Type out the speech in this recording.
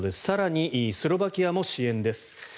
更に、スロバキアも支援です。